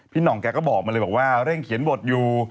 หน่องแกก็บอกมาเลยบอกว่าเร่งเขียนบทอยู่